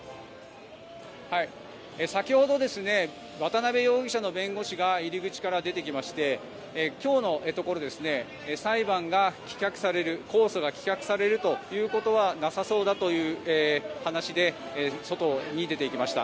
先ほど渡邉容疑者の弁護士が入り口から出てきまして今日のところ裁判が棄却される控訴が棄却されるということはなさそうだという話で外に出ていきました。